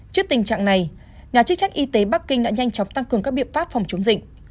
trước tình trạng này nhà chức trách y tế bắc kinh đã nhanh chóng tăng cường các biện pháp phòng chống dịch